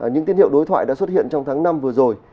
những tiết hiệu đối thoại đã xuất hiện trong tháng năm vừa rồi